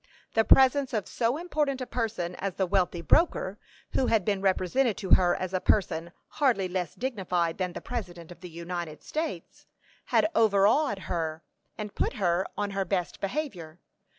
The presence of so important a person as the wealthy broker, who had been represented to her as a person hardly less dignified than the President of the United States, had overawed her, and put her on her best behavior.